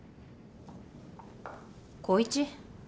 光一？